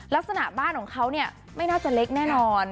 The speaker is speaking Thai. ลักษณะบ้านของเขาเนี่ยไม่น่าจะเล็กแน่นอน